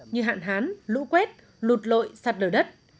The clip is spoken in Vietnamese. như hạn hán lũ quét lụt lội sạt lở đất